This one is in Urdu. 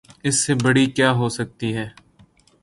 اس سے بڑی کیا ہو سکتی ہے؟